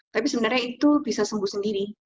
tapi sebenarnya itu bisa sembuh sendiri